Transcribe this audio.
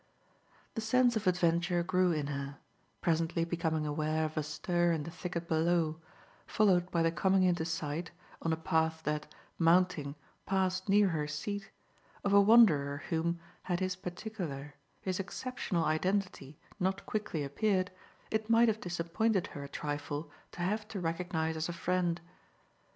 The sense of adventure grew in her, presently becoming aware of a stir in the thicket below, followed by the coming into sight, on a path that, mounting, passed near her seat, of a wanderer whom, had his particular, his exceptional identity not quickly appeared, it might have disappointed her a trifle to have to recognise as a friend.